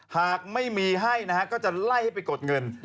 หากไม่มีให้นะฮะก็จะไล่ให้ไปกดเงิน